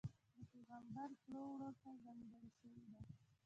د پېغمبر کړو وړوته ځانګړې شوې ده.